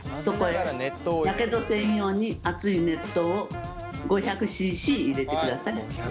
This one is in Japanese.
やけどせんように熱い熱湯を５００ｃｃ入れてください。